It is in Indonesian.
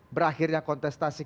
berakhirnya kontestasi kita